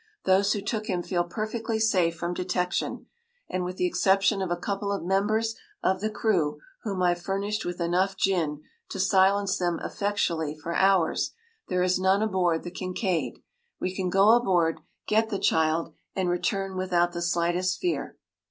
“Those who took him feel perfectly safe from detection, and with the exception of a couple of members of the crew, whom I have furnished with enough gin to silence them effectually for hours, there is none aboard the Kincaid. We can go aboard, get the child, and return without the slightest fear.